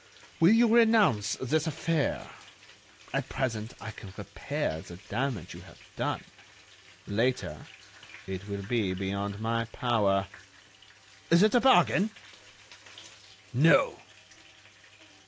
Will you renounce this affair? At present I can repair the damage you have done; later it will be beyond my power. Is it a bargain?" "No."